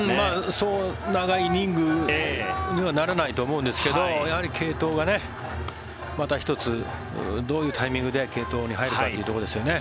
そう長いイニングにはならないと思うんですけどやはり継投がまた１つどういうタイミングで継投に入るかというところですね。